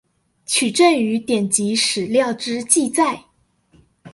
取證於典籍史料之記載